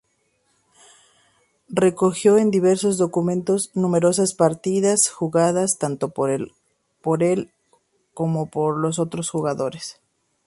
Recogió en diversos documentos numerosas partidas jugadas tanto por el como por otros jugadores.